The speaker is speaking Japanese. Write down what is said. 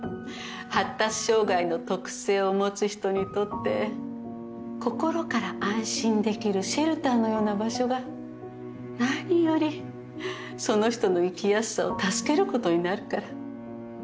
発達障害の特性を持つ人にとって心から安心できるシェルターのような場所が何よりその人の生きやすさを助けることになるから。